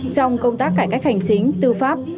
trong công tác cải cách hành chính tư pháp